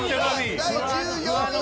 第１４位は。